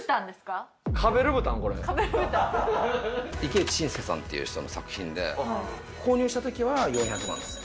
池内信介さんという人の作品で購入した時は４００万です。